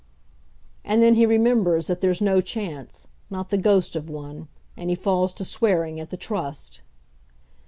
And then he remembers that there's no chance; not the ghost of one; and he falls to swearing at the Trust.